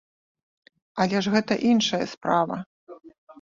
Але ж гэта іншая справа.